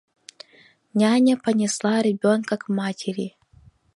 Няня понесла ребенка к матери.